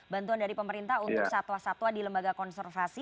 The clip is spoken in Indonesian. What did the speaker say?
bantuan dari pemerintah untuk satwa satwa di lembaga konservasi